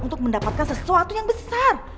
untuk mendapatkan sesuatu yang besar